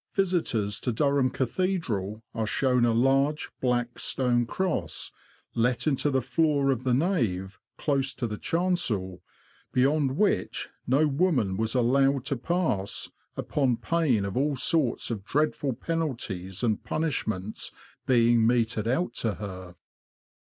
visitors to Durham Cathedral are shown a large, black stone cross, let into the floor of the nave, close to the chancel, beyond which no woman was allowed to pass, upon pain of all sorts of dreadful penalties and punishments being meted out to her.